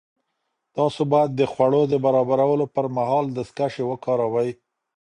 تاسو باید د خوړو د برابرولو پر مهال دستکشې وکاروئ.